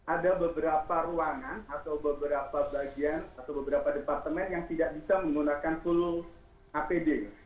ada beberapa ruangan atau beberapa bagian atau beberapa departemen yang tidak bisa menggunakan full apd